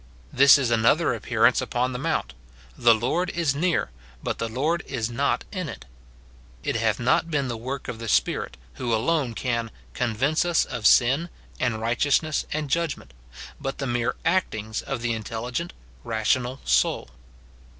This is another appearance upon the mount ; the Lord is near, but the Lord is not in it. It hath not been the work of the Spirit, who alone can " convince us of sin, and righteous ness, and judgment,"* but the mere actings of the in telligent, rational soul.